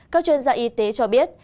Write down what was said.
các chuyên gia y tế cho biết